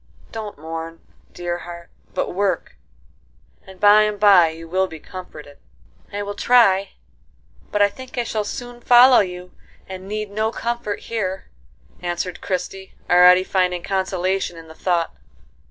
Don't mourn, dear heart, but work; and by and by you will be comforted." [Illustration: "DON'T MOURN, DEAR HEART, BUT WORK."] "I will try; but I think I shall soon follow you, and need no comfort here," answered Christie, already finding consolation in the thought.